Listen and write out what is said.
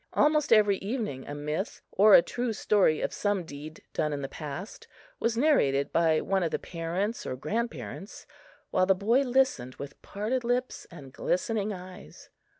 Almost every evening a myth, or a true story of some deed done in the past, was narrated by one of the parents or grandparents, while the boy listened with parted lips and glistening eyes.